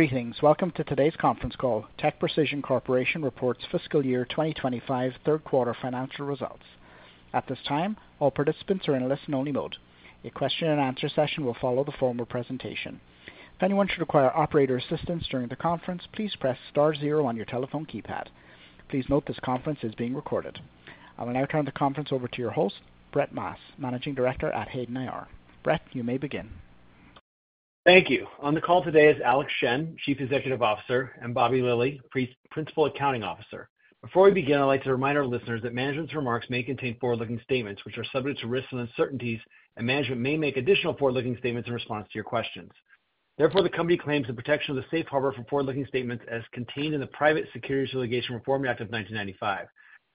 Greetings. Welcome to today's conference call. TechPrecision Corporation Reports Fiscal Year 2025 Third Quarter Financial Results. At this time, all participants are in listen-only mode. A question-and-answer session will follow the formal presentation. If anyone should require operator assistance during the conference, please press star zero on your telephone keypad. Please note this conference is being recorded. I will now turn the conference over to your host, Brett Maas, Managing Director at Hayden IR. Brett, you may begin. Thank you. On the call today is Alex Shen, Chief Executive Officer, and Bobbie Lilley, Principal Accounting Officer. Before we begin, I'd like to remind our listeners that management's remarks may contain forward-looking statements which are subject to risks and uncertainties, and management may make additional forward-looking statements in response to your questions. Therefore, the company claims the protection of the safe harbor from forward-looking statements as contained in the Private Securities Litigation Reform Act of 1995.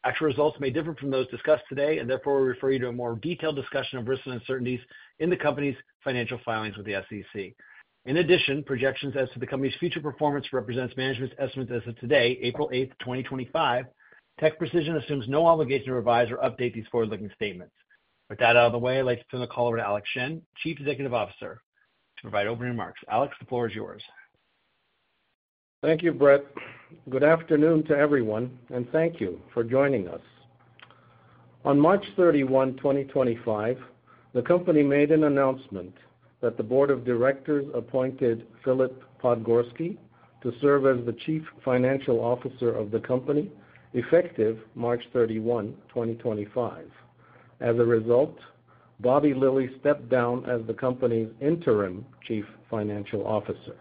Actual results may differ from those discussed today, and therefore we refer you to a more detailed discussion of risks and uncertainties in the company's financial filings with the SEC. In addition, projections as to the company's future performance represent management's estimates as of today, April 8th, 2025. TechPrecision assumes no obligation to revise or update these forward-looking statements. With that out of the way, I'd like to turn the call over to Alex Shen, Chief Executive Officer, to provide opening remarks. Alex, the floor is yours. Thank you, Brett. Good afternoon to everyone, and thank you for joining us. On March 31, 2025, the company made an announcement that the Board of Directors appointed Philip Podgorski to serve as the Chief Financial Officer of the company effective March 31, 2025. As a result, Bobbie Lilley stepped down as the company's interim Chief Financial Officer.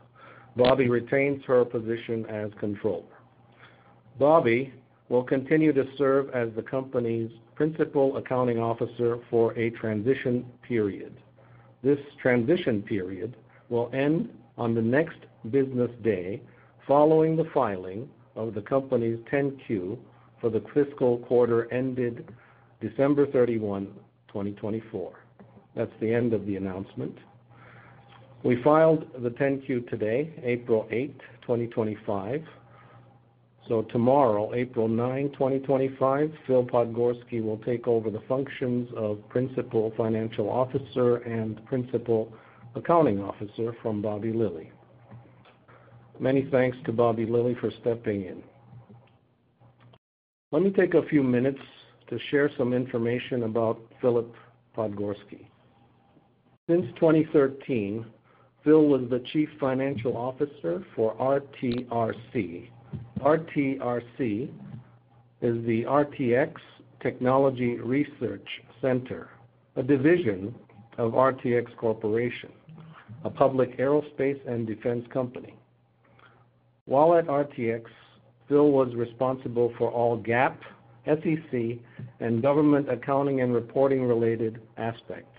Bobbie retains her position as Controller. Bobbie will continue to serve as the company's Principal Accounting Officer for a transition period. This transition period will end on the next business day following the filing of the company's 10-Q for the fiscal quarter ended December 31, 2024. That is the end of the announcement. We filed the 10-Q today, April 8th, 2025. Tomorrow, April 9, 2025, Phil Podgorski will take over the functions of Principal Financial Officer and Principal Accounting Officer from Bobbie Lilley. Many thanks to Bobbie Lilley for stepping in. Let me take a few minutes to share some information about Philip Podgorski. Since 2013, Phil was the Chief Financial Officer for RTRC. RTRC is the RTX Technology Research Center, a division of RTX Corporation, a public aerospace and defense company. While at RTX, Phil was responsible for all GAAP, SEC, and government accounting and reporting-related aspects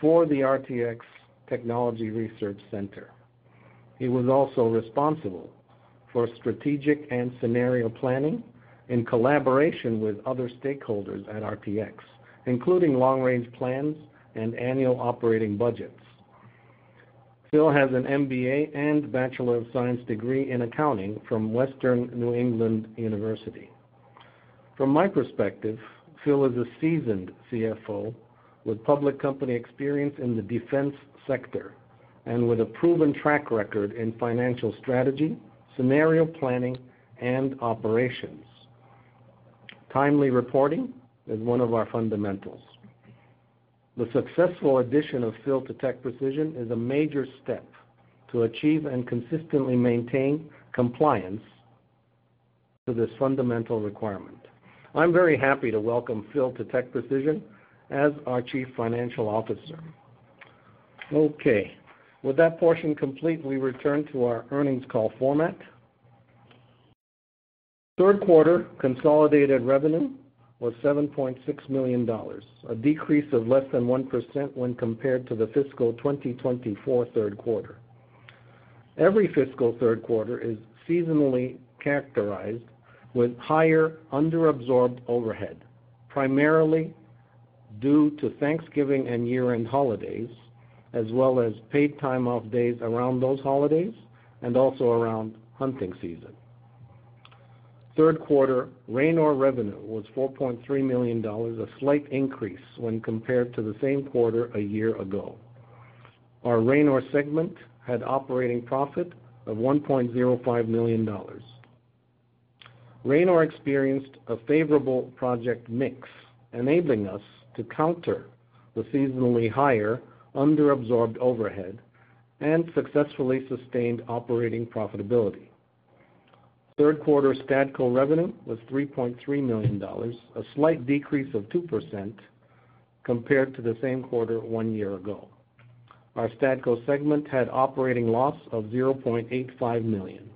for the RTX Technology Research Center. He was also responsible for strategic and scenario planning in collaboration with other stakeholders at RTX, including long-range plans and annual operating budgets. Phil has an MBA and Bachelor of Science degree in Accounting from Western New England University. From my perspective, Phil is a seasoned CFO with public company experience in the defense sector and with a proven track record in financial strategy, scenario planning, and operations. Timely reporting is one of our fundamentals. The successful addition of Phil to TechPrecision is a major step to achieve and consistently maintain compliance to this fundamental requirement. I'm very happy to welcome Phil to TechPrecision as our Chief Financial Officer. Okay. With that portion complete, we return to our earnings call format. Third quarter consolidated revenue was $7.6 million, a decrease of less than 1% when compared to the fiscal 2024 third quarter. Every fiscal third quarter is seasonally characterized with higher under-absorbed overhead, primarily due to Thanksgiving and year-end holidays, as well as paid time-off days around those holidays and also around hunting season. Third quarter Ranor revenue was $4.3 million, a slight increase when compared to the same quarter a year ago. Our Ranor segment had operating profit of $1.05 million. Ranor experienced a favorable project mix, enabling us to counter the seasonally higher under-absorbed overhead and successfully sustained operating profitability. Third quarter Stadco revenue was $3.3 million, a slight decrease of 2% compared to the same quarter one year ago. Our Stadco segment had operating loss of $0.85 million.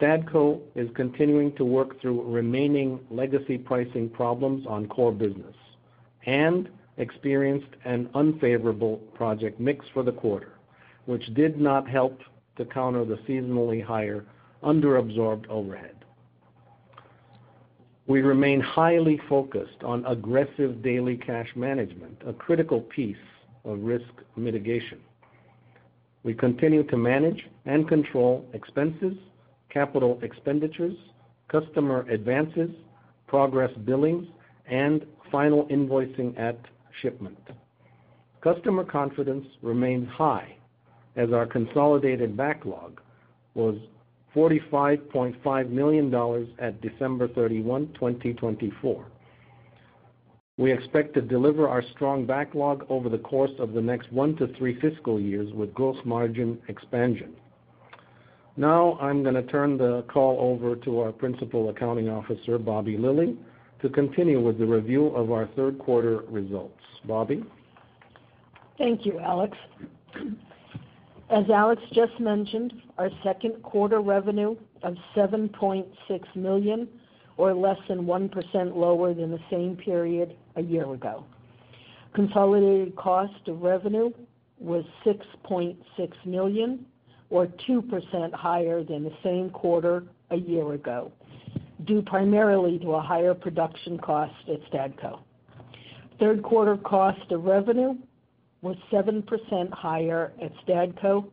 Stadco is continuing to work through remaining legacy pricing problems on core business and experienced an unfavorable project mix for the quarter, which did not help to counter the seasonally higher under-absorbed overhead. We remain highly focused on aggressive daily cash management, a critical piece of risk mitigation. We continue to manage and control expenses, capital expenditures, customer advances, progress billings, and final invoicing at shipment. Customer confidence remains high as our consolidated backlog was $45.5 million at December 31, 2024. We expect to deliver our strong backlog over the course of the next one to three fiscal years with gross margin expansion. Now, I'm going to turn the call over to our Principal Accounting Officer, Bobbie Lilley, to continue with the review of our third quarter results. Bobbie. Thank you, Alex. As Alex just mentioned, our second quarter revenue of $7.6 million was less than 1% lower than the same period a year ago. Consolidated cost of revenue was $6.6 million, or 2% higher than the same quarter a year ago, due primarily to a higher production cost at Stadco. Third quarter cost of revenue was 7% higher at Stadco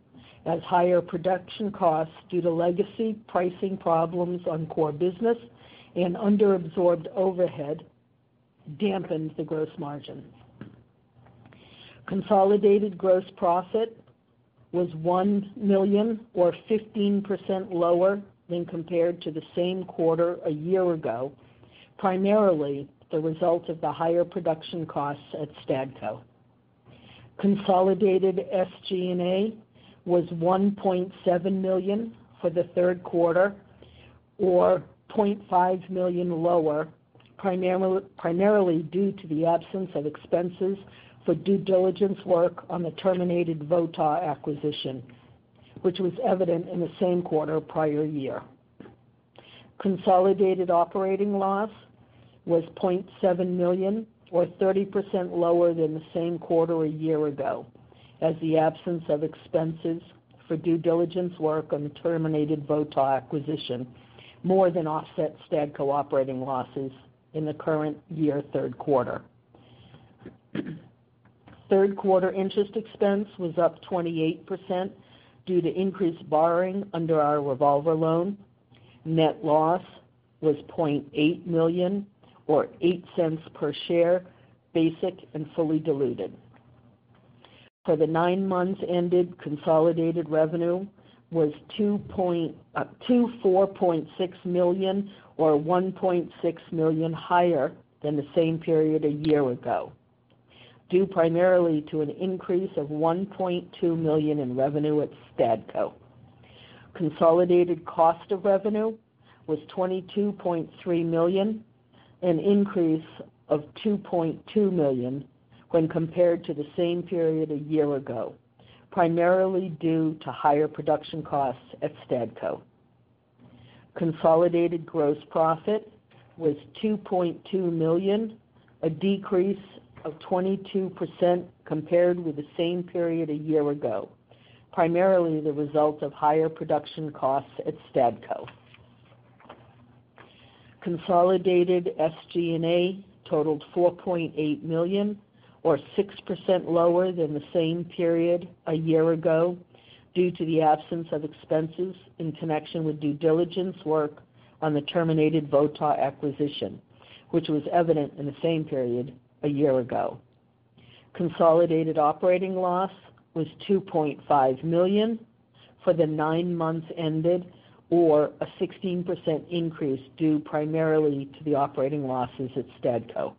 as higher production costs due to legacy pricing problems on core business and under-absorbed overhead dampened the gross margin. Consolidated gross profit was $1 million, or 15% lower than compared to the same quarter a year ago, primarily the result of the higher production costs at Stadco. Consolidated SG&A was $1.7 million for the third quarter, or $0.5 million lower, primarily due to the absence of expenses for due diligence work on the terminated VOTI acquisition, which was evident in the same quarter prior year. Consolidated operating loss was $0.7 million, or 30% lower than the same quarter a year ago, as the absence of expenses for due diligence work on the terminated VOTI acquisition more than offset Stadco operating losses in the current year third quarter. Third quarter interest expense was up 28% due to increased borrowing under our revolver loan. Net loss was $0.8 million, or $0.08 per share, basic and fully diluted. For the nine months ended, consolidated revenue was $24.6 million, or $1.6 million higher than the same period a year ago, due primarily to an increase of $1.2 million in revenue at Stadco. Consolidated cost of revenue was $22.3 million, an increase of $2.2 million when compared to the same period a year ago, primarily due to higher production costs at Stadco. Consolidated gross profit was $2.2 million, a decrease of 22% compared with the same period a year ago, primarily the result of higher production costs at Stadco. Consolidated SG&A totaled $4.8 million, or 6% lower than the same period a year ago, due to the absence of expenses in connection with due diligence work on the terminated VOTI acquisition, which was evident in the same period a year ago. Consolidated operating loss was $2.5 million for the nine months ended, or a 16% increase due primarily to the operating losses at Stadco.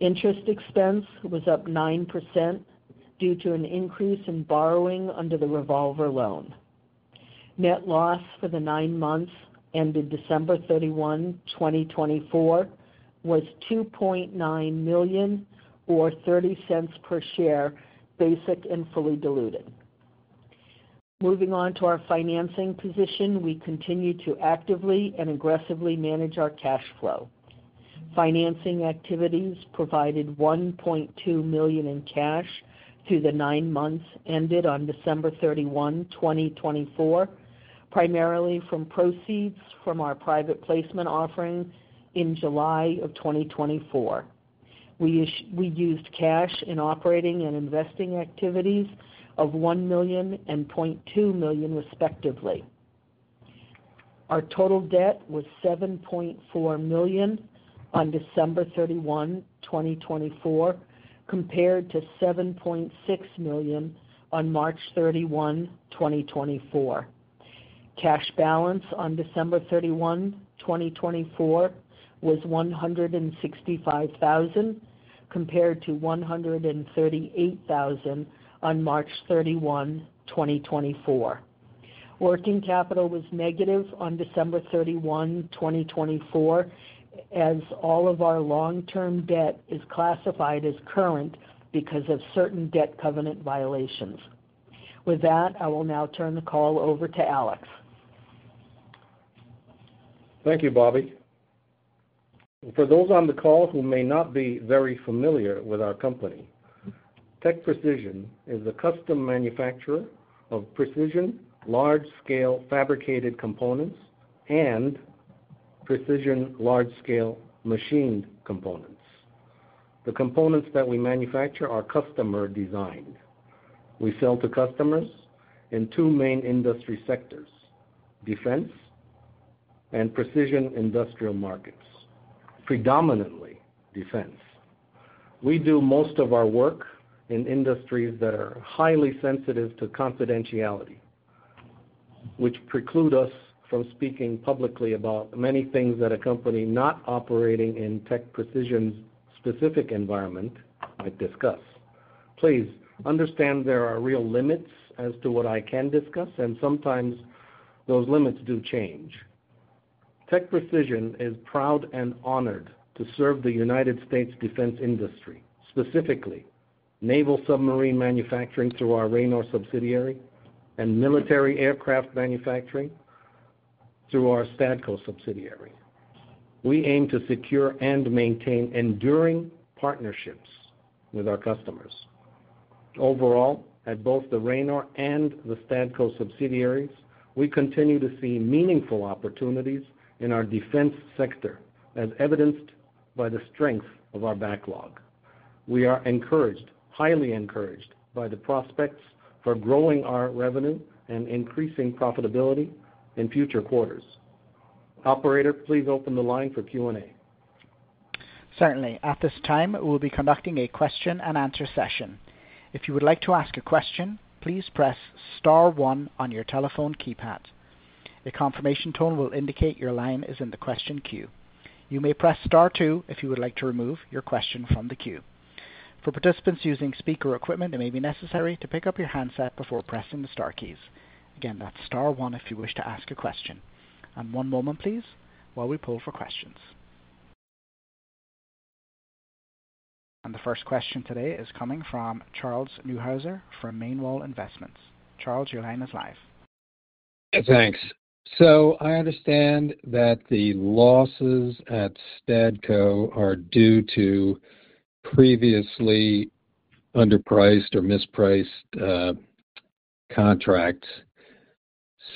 Interest expense was up 9% due to an increase in borrowing under the revolver loan. Net loss for the nine months ended December 31, 2024, was $2.9 million, or $0.30 per share, basic and fully diluted. Moving on to our financing position, we continue to actively and aggressively manage our cash flow. Financing activities provided $1.2 million in cash through the nine months ended on December 31, 2024, primarily from proceeds from our private placement offering in July of 2024. We used cash in operating and investing activities of $1 million and $0.2 million, respectively. Our total debt was $7.4 million on December 31, 2024, compared to $7.6 million on March 31, 2024. Cash balance on December 31, 2024, was $165,000, compared to $138,000 on March 31, 2024. Working capital was negative on December 31, 2024, as all of our long-term debt is classified as current because of certain debt covenant violations. With that, I will now turn the call over to Alex. Thank you, Bobby. For those on the call who may not be very familiar with our company, TechPrecision is the custom manufacturer of precision large-scale fabricated components and precision large-scale machined components. The components that we manufacture are customer designed. We sell to customers in two main industry sectors: defense and precision industrial markets, predominantly defense. We do most of our work in industries that are highly sensitive to confidentiality, which preclude us from speaking publicly about many things that a company not operating in TechPrecision's specific environment might discuss. Please understand there are real limits as to what I can discuss, and sometimes those limits do change. TechPrecision is proud and honored to serve the United States defense industry, specifically naval submarine manufacturing through our Ranor subsidiary and military aircraft manufacturing through our Stadco subsidiary. We aim to secure and maintain enduring partnerships with our customers. Overall, at both the Ranor and the Stadco subsidiaries, we continue to see meaningful opportunities in our defense sector, as evidenced by the strength of our backlog. We are encouraged, highly encouraged, by the prospects for growing our revenue and increasing profitability in future quarters. Operator, please open the line for Q&A. Certainly. At this time, we'll be conducting a question-and-answer session. If you would like to ask a question, please press star one on your telephone keypad. A confirmation tone will indicate your line is in the question queue. You may press star two if you would like to remove your question from the queue. For participants using speaker equipment, it may be necessary to pick up your handset before pressing the star keys. Again, that's star one if you wish to ask a question. One moment, please, while we pull for questions. The first question today is coming from Charles Neuhauser from Mainwall Investments. Charles, your line is live. Thanks. I understand that the losses at Stadco are due to previously underpriced or mispriced contracts.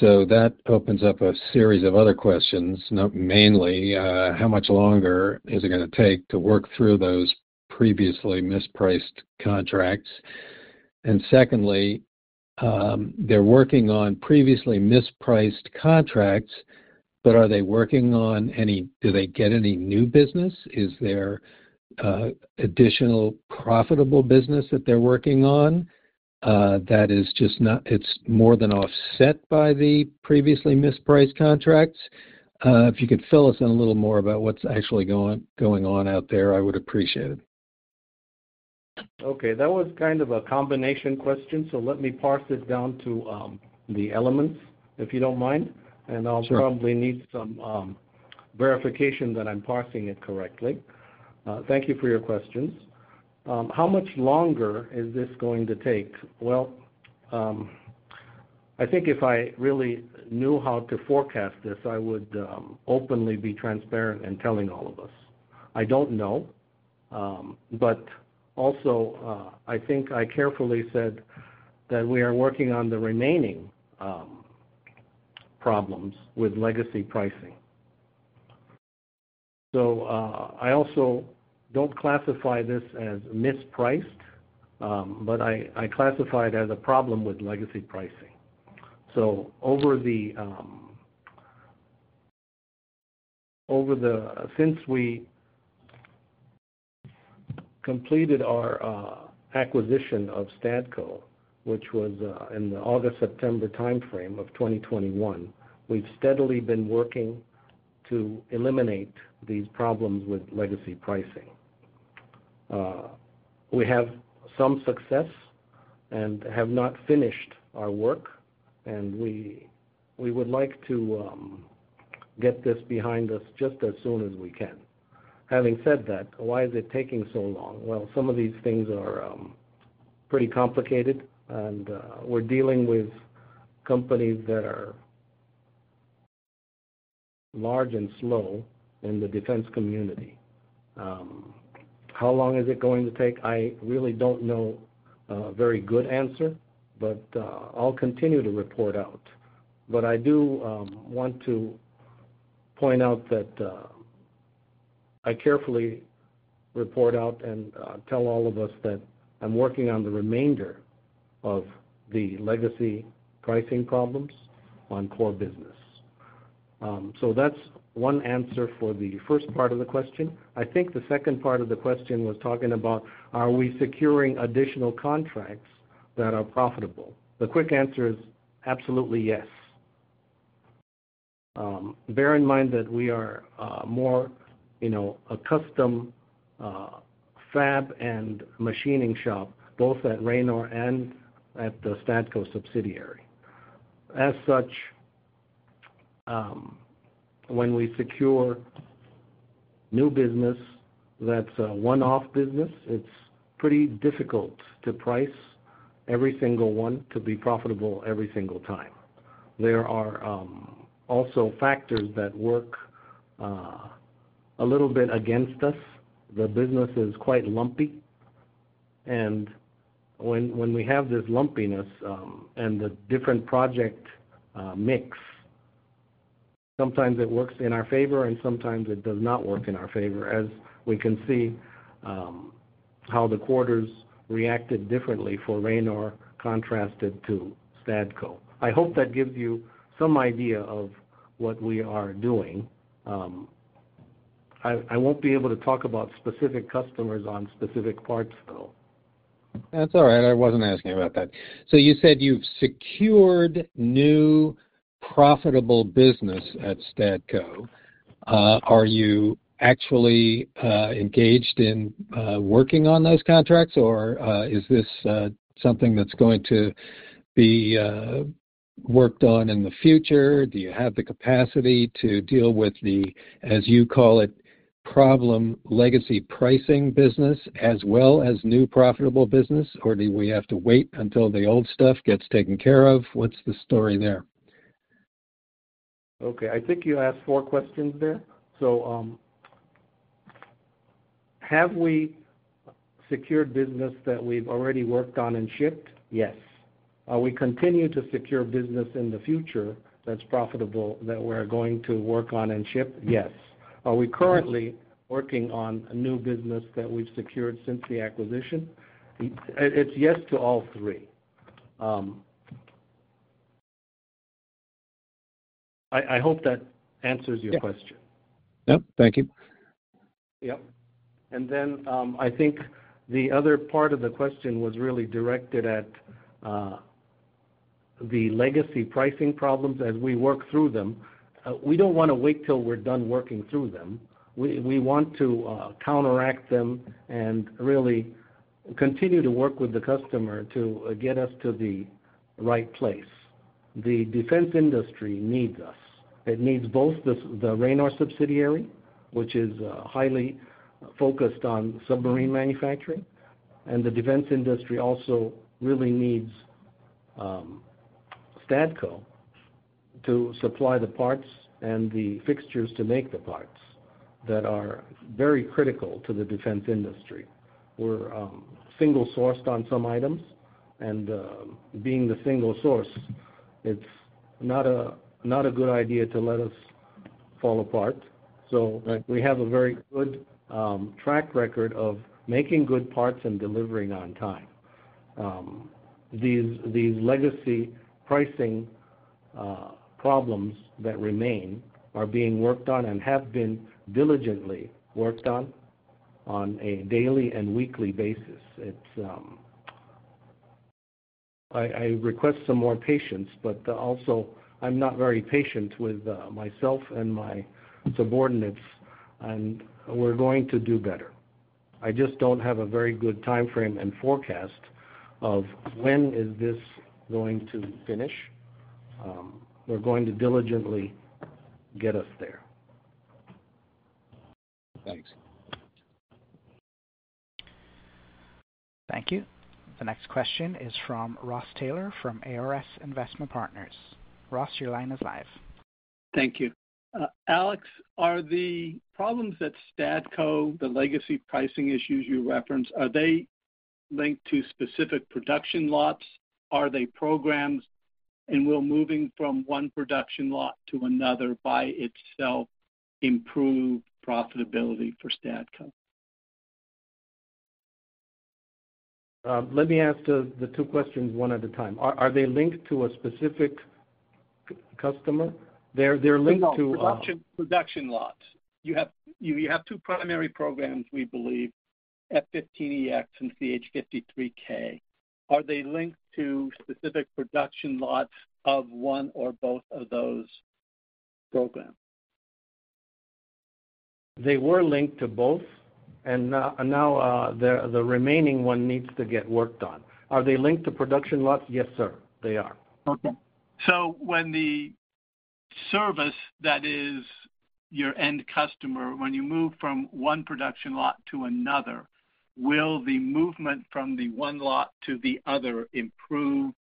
That opens up a series of other questions, mainly how much longer is it going to take to work through those previously mispriced contracts. Secondly, they are working on previously mispriced contracts, but are they working on any, do they get any new business? Is there additional profitable business that they are working on that is just not, it is more than offset by the previously mispriced contracts? If you could fill us in a little more about what is actually going on out there, I would appreciate it. Okay. That was kind of a combination question, so let me parse it down to the elements, if you don't mind. I'll probably need some verification that I'm parsing it correctly. Thank you for your questions. How much longer is this going to take? If I really knew how to forecast this, I would openly be transparent in telling all of us. I don't know. I think I carefully said that we are working on the remaining problems with legacy pricing. I also don't classify this as mispriced, but I classify it as a problem with legacy pricing. Since we completed our acquisition of Stadco, which was in the August-September timeframe of 2021, we've steadily been working to eliminate these problems with legacy pricing. We have some success and have not finished our work, and we would like to get this behind us just as soon as we can. Having said that, why is it taking so long? Some of these things are pretty complicated, and we're dealing with companies that are large and slow in the defense community. How long is it going to take? I really don't know a very good answer, but I'll continue to report out. I do want to point out that I carefully report out and tell all of us that I'm working on the remainder of the legacy pricing problems on core business. That's one answer for the first part of the question. I think the second part of the question was talking about, are we securing additional contracts that are profitable? The quick answer is absolutely yes. Bear in mind that we are more a custom fab and machining shop, both at Ranor and at the Stadco subsidiary. As such, when we secure new business that's a one-off business, it's pretty difficult to price every single one to be profitable every single time. There are also factors that work a little bit against us. The business is quite lumpy. When we have this lumpiness and the different project mix, sometimes it works in our favor and sometimes it does not work in our favor, as we can see how the quarters reacted differently for Ranor contrasted to Stadco. I hope that gives you some idea of what we are doing. I won't be able to talk about specific customers on specific parts, though. That's all right. I wasn't asking about that. You said you've secured new profitable business at Stadco. Are you actually engaged in working on those contracts, or is this something that's going to be worked on in the future? Do you have the capacity to deal with the, as you call it, problem legacy pricing business as well as new profitable business, or do we have to wait until the old stuff gets taken care of? What's the story there? Okay. I think you asked four questions there. Have we secured business that we've already worked on and shipped? Yes. Are we continuing to secure business in the future that's profitable that we're going to work on and ship? Yes. Are we currently working on new business that we've secured since the acquisition? It's yes to all three. I hope that answers your question. Yep. Yep. Thank you. Yep. I think the other part of the question was really directed at the legacy pricing problems as we work through them. We don't want to wait till we're done working through them. We want to counteract them and really continue to work with the customer to get us to the right place. The defense industry needs us. It needs both the Ranor subsidiary, which is highly focused on submarine manufacturing, and the defense industry also really needs Stadco to supply the parts and the fixtures to make the parts that are very critical to the defense industry. We're single-sourced on some items, and being the single source, it's not a good idea to let us fall apart. We have a very good track record of making good parts and delivering on time. These legacy pricing problems that remain are being worked on and have been diligently worked on on a daily and weekly basis. I request some more patience, but also I'm not very patient with myself and my subordinates, and we're going to do better. I just don't have a very good timeframe and forecast of when is this going to finish. We're going to diligently get us there. Thanks. Thank you. The next question is from Ross Taylor from ARS Investment Partners. Ross, your line is live. Thank you. Alex, are the problems that Stadco, the legacy pricing issues you referenced, are they linked to specific production lots? Are they programs? Will moving from one production lot to another by itself improve profitability for Stadco? Let me ask the two questions one at a time. Are they linked to a specific customer? They're linked to. Production lots. You have two primary programs, we believe, F-15EX and CH-53K. Are they linked to specific production lots of one or both of those programs? They were linked to both, and now the remaining one needs to get worked on. Are they linked to production lots? Yes, sir. They are. Okay. When the service that is your end customer, when you move from one production lot to another, will the movement from the one lot to the other improve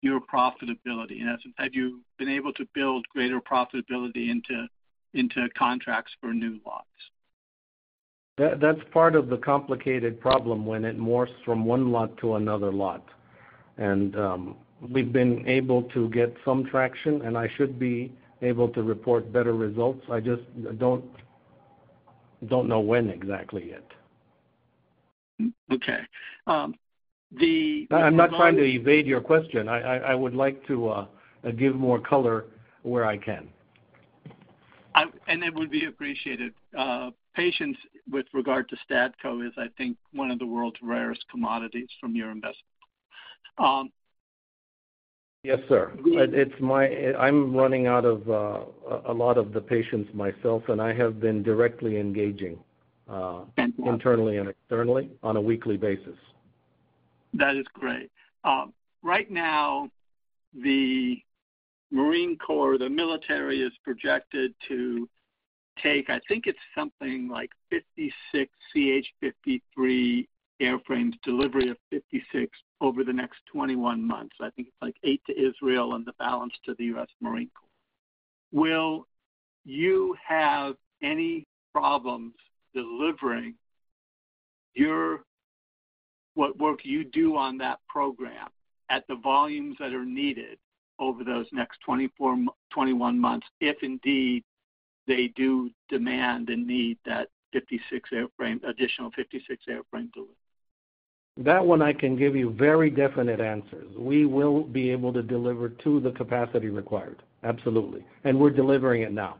your profitability? Have you been able to build greater profitability into contracts for new lots? That's part of the complicated problem when it morphs from one lot to another lot. We've been able to get some traction, and I should be able to report better results. I just don't know when exactly yet. Okay. I'm not trying to evade your question. I would like to give more color where I can. Patience with regard to Stadco is, I think, one of the world's rarest commodities from your investment. Yes, sir. I'm running out of a lot of the patience myself, and I have been directly engaging internally and externally on a weekly basis. That is great. Right now, the Marine Corps, the military, is projected to take, I think it's something like 56 CH-53 airframes, delivery of 56 over the next 21 months. I think it's like 8 to Israel and the balance to the US Marine Corps. Will you have any problems delivering what work you do on that program at the volumes that are needed over those next 21 months if indeed they do demand and need that additional 56 airframe delivery? That one I can give you very definite answers. We will be able to deliver to the capacity required. Absolutely. We are delivering it now.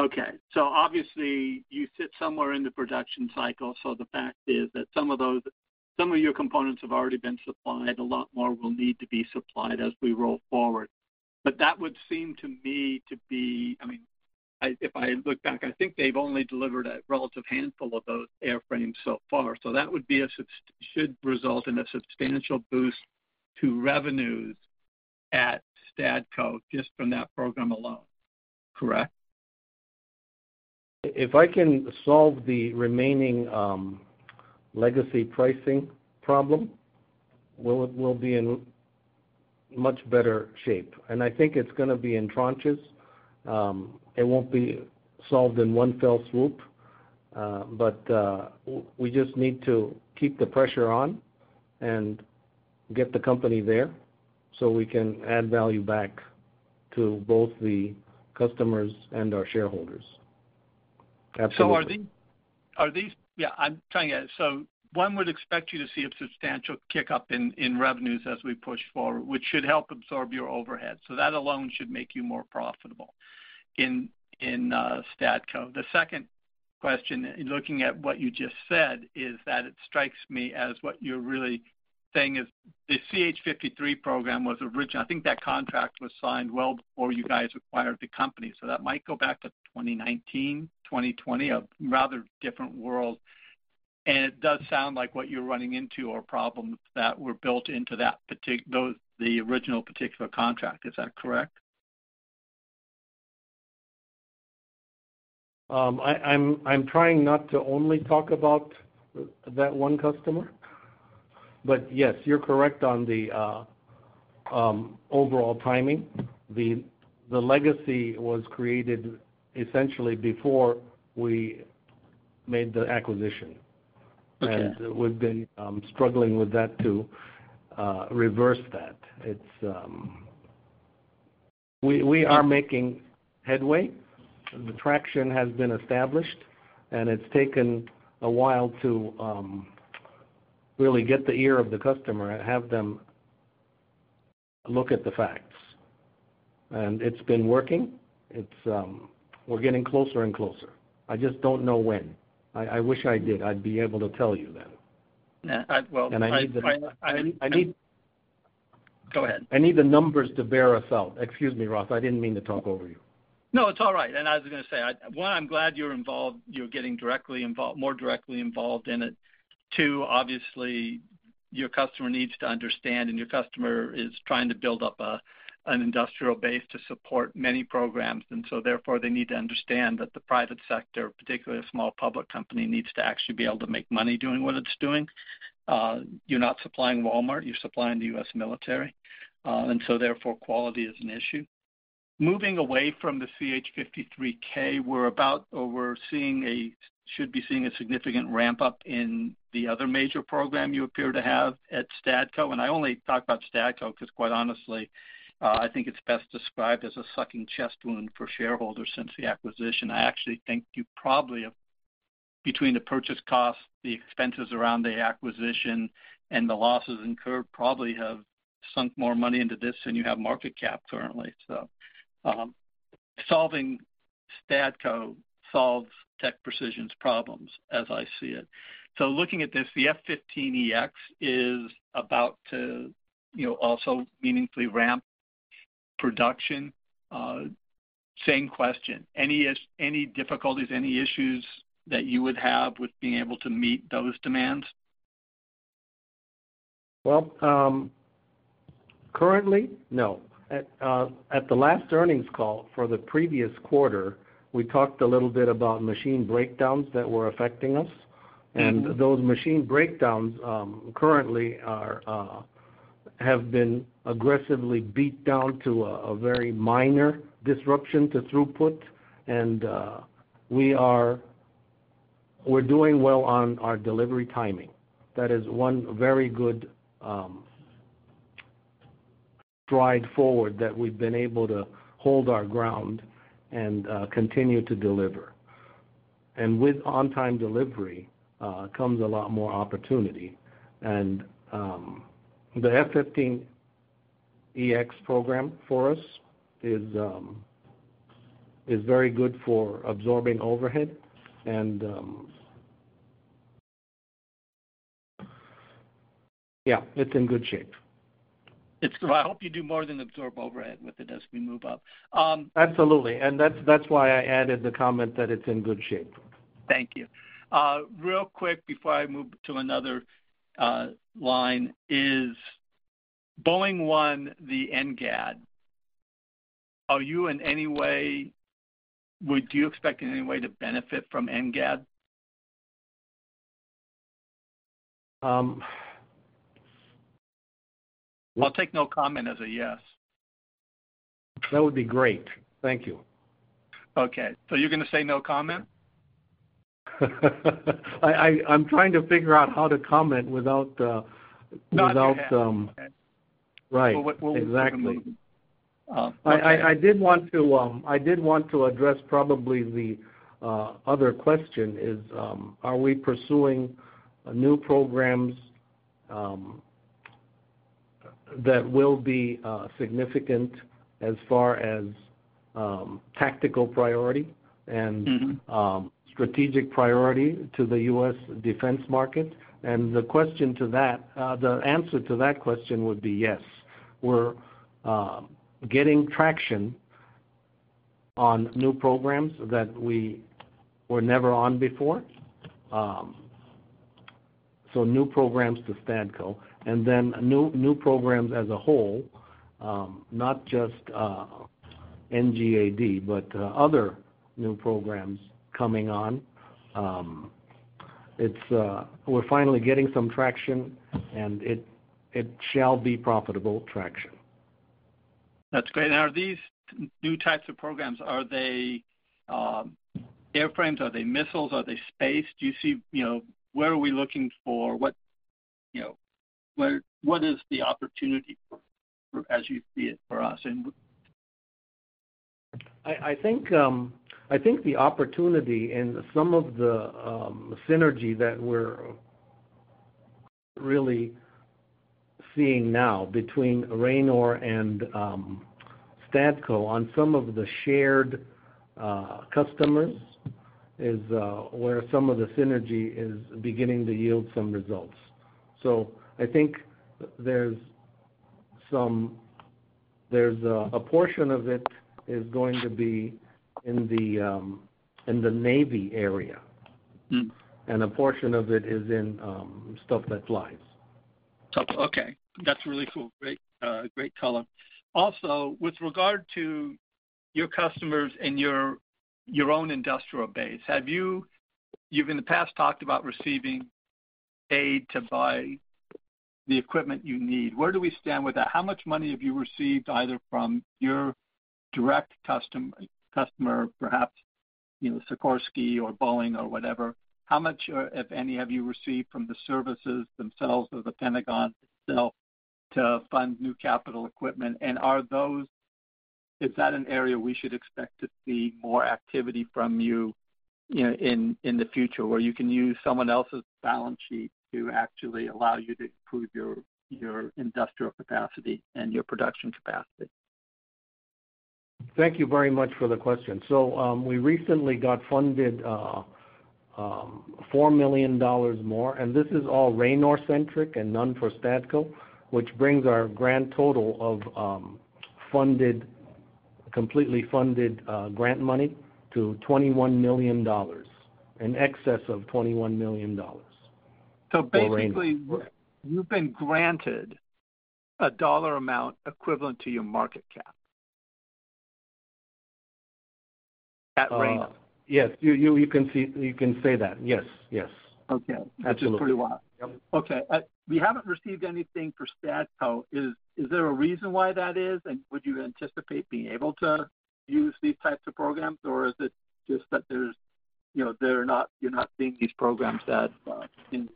Okay. Obviously, you sit somewhere in the production cycle, so the fact is that some of your components have already been supplied. A lot more will need to be supplied as we roll forward. That would seem to me to be, I mean, if I look back, I think they've only delivered a relative handful of those airframes so far. That should result in a substantial boost to revenues at Stadco just from that program alone, correct? If I can solve the remaining legacy pricing problem, we'll be in much better shape. I think it's going to be in tranches. It won't be solved in one fell swoop, but we just need to keep the pressure on and get the company there so we can add value back to both the customers and our shareholders. Absolutely. Are these, yeah, I'm trying to get it. One would expect you to see a substantial kick-up in revenues as we push forward, which should help absorb your overhead. That alone should make you more profitable in Stadco. The second question, looking at what you just said, is that it strikes me as what you're really saying is the CH-53K program was original. I think that contract was signed well before you guys acquired the company. That might go back to 2019, 2020, a rather different world. It does sound like what you're running into are problems that were built into the original particular contract. Is that correct? I'm trying not to only talk about that one customer. Yes, you're correct on the overall timing. The legacy was created essentially before we made the acquisition. We've been struggling with that to reverse that. We are making headway. The traction has been established, and it's taken a while to really get the ear of the customer and have them look at the facts. It's been working. We're getting closer and closer. I just don't know when. I wish I did. I'd be able to tell you then. I need. Go ahead. I need the numbers to bear us out. Excuse me, Ross. I didn't mean to talk over you. No, it's all right. I was going to say, one, I'm glad you're getting more directly involved in it. Two, obviously, your customer needs to understand, and your customer is trying to build up an industrial base to support many programs. Therefore, they need to understand that the private sector, particularly a small public company, needs to actually be able to make money doing what it's doing. You're not supplying Walmart. You're supplying the US military. Therefore, quality is an issue. Moving away from the CH-53K, we're about, or we're seeing a, should be seeing a significant ramp-up in the other major program you appear to have at Stadco. I only talk about Stadco because, quite honestly, I think it's best described as a sucking chest wound for shareholders since the acquisition. I actually think you probably, between the purchase costs, the expenses around the acquisition, and the losses incurred, probably have sunk more money into this than you have market cap currently. Solving Stadco solves TechPrecision's problems, as I see it. Looking at this, the F-15EX is about to also meaningfully ramp production. Same question. Any difficulties, any issues that you would have with being able to meet those demands? Currently, no. At the last earnings call for the previous quarter, we talked a little bit about machine breakdowns that were affecting us. Those machine breakdowns currently have been aggressively beat down to a very minor disruption to throughput. We are doing well on our delivery timing. That is one very good stride forward that we have been able to hold our ground and continue to deliver. With on-time delivery comes a lot more opportunity. The F-15EX program for us is very good for absorbing overhead. It is in good shape. I hope you do more than absorb overhead with it as we move up. Absolutely. That is why I added the comment that it's in good shape. Thank you. Real quick before I move to another line, is Boeing won the NGAD. Are you in any way, would you expect in any way to benefit from NGAD? I'll take no comment as a yes. That would be great. Thank you. Okay. So you're going to say no comment? I'm trying to figure out how to comment without. No, that's okay. Right. Exactly. I did want to address probably the other question is, are we pursuing new programs that will be significant as far as tactical priority and strategic priority to the U.S. defense market? The answer to that question would be yes. We're getting traction on new programs that we were never on before. New programs to Stadco. New programs as a whole, not just NGAD, but other new programs coming on. We're finally getting some traction, and it shall be profitable traction. That's great. Are these new types of programs, are they airframes? Are they missiles? Are they space? Do you see where are we looking for? What is the opportunity as you see it for us? I think the opportunity and some of the synergy that we're really seeing now between Ranor and Stadco on some of the shared customers is where some of the synergy is beginning to yield some results. I think there's a portion of it is going to be in the Navy area, and a portion of it is in stuff that flies. Okay. That's really cool. Great color. Also, with regard to your customers and your own industrial base, you've in the past talked about receiving aid to buy the equipment you need. Where do we stand with that? How much money have you received either from your direct customer, perhaps Sikorsky or Boeing or whatever? How much, if any, have you received from the services themselves or the Pentagon itself to fund new capital equipment? Is that an area we should expect to see more activity from you in the future where you can use someone else's balance sheet to actually allow you to improve your industrial capacity and your production capacity? Thank you very much for the question. We recently got funded $4 million more. This is all Ranor-centric and none for Stadco, which brings our grand total of completely funded grant money to $21 million, in excess of $21 million. Basically, you've been granted a dollar amount equivalent to your market cap at Ranor? Yes. You can say that. Yes. Yes. Okay. That's pretty wild. Okay. We haven't received anything for Stadco. Is there a reason why that is? Would you anticipate being able to use these types of programs, or is it just that they're not, you are not seeing these programs in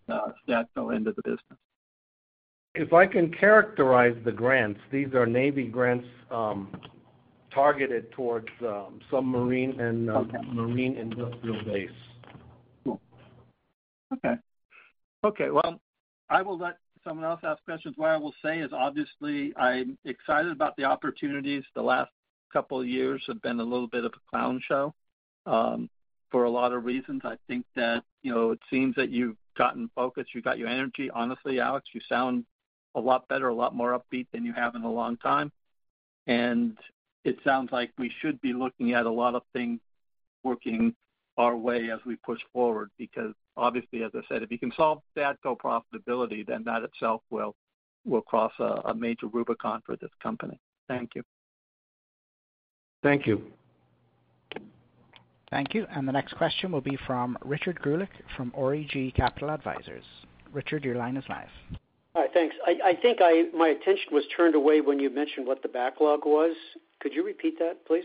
Stadco end of the business? If I can characterize the grants, these are Navy grants targeted towards submarine and marine industrial base. Okay. Okay. I will let someone else ask questions. What I will say is, obviously, I'm excited about the opportunities. The last couple of years have been a little bit of a clown show for a lot of reasons. I think that it seems that you've gotten focused. You've got your energy. Honestly, Alex, you sound a lot better, a lot more upbeat than you have in a long time. It sounds like we should be looking at a lot of things working our way as we push forward because, obviously, as I said, if you can solve Stadco profitability, then that itself will cross a major Rubicon for this company. Thank you. Thank you. Thank you. The next question will be from Richard Greulich from REG Capital Advisors. Richard, your line is live. Hi. Thanks. I think my attention was turned away when you mentioned what the backlog was. Could you repeat that, please?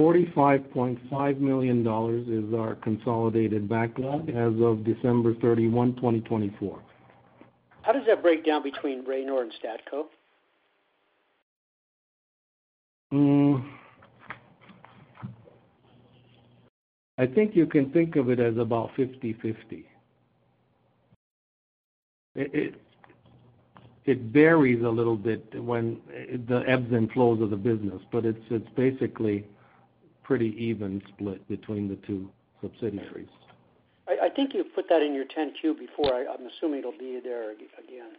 $45.5 million is our consolidated backlog as of December 31, 2024. How does that break down between Ranor and Stadco? I think you can think of it as about 50/50. It varies a little bit with the ebbs and flows of the business, but it's basically a pretty even split between the two subsidiaries. I think you put that in your 10-Q before. I'm assuming it'll be there again.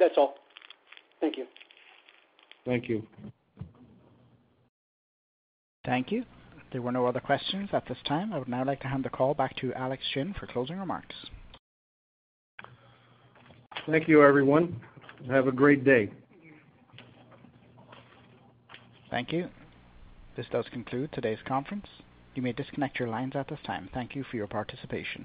That's all. Thank you. Thank you. Thank you. There were no other questions at this time. I would now like to hand the call back to Alex Shen for closing remarks. Thank you, everyone. Have a great day. Thank you. This does conclude today's conference. You may disconnect your lines at this time. Thank you for your participation.